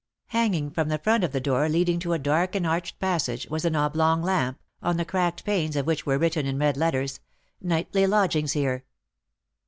Hanging from the front of the door leading to a dark and arched passage, was an oblong lamp, on the cracked panes of which were written, in red letters, "Nightly Lodgings Here."